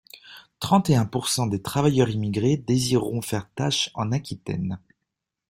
Trente et un pour cent des travailleurs immigrés désireront faire tache en Aquitaine.